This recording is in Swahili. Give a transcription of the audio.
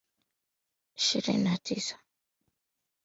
unga wa ngano gram ishiriniau kikombe cha chai moja